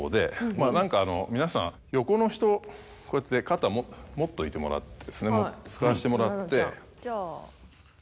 まぁ皆さん横の人こうやって肩持っといてもらって使わせてもらって。